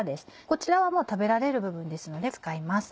こちらは食べられる部分ですので使います。